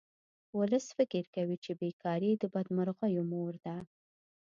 ولس فکر کوي چې بې کاري د بدمرغیو مور ده